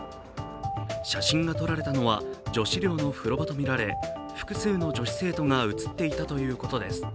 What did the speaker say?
写真が撮られたのは女子寮の風呂場とみられ複数の女子生徒が映っていたということです。